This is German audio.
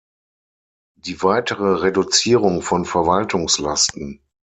Die weitere Reduzierung von Verwaltungslasten.